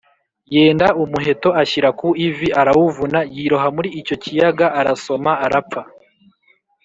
Yenda umuheto ashyira ku ivi arawuvuna, yiroha muri icyo kiyaga arasoma arapfa